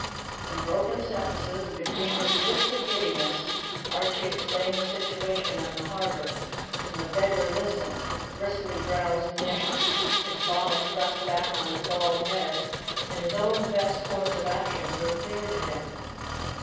In broken sentences, and between his fits of giddiness, Archie explained the situation in the harbour, and the beggar listened, his bristly brows knit, his bonnet thrust back on his bald head; and his own best course of action grew clear to him.